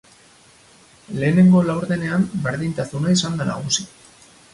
Lehenengo laurdenean berdintasuna izan da nagusi.